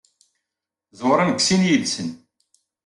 Ẓewren deg sin yid-sen.